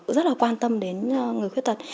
rất là quan tâm đến người khuyết tật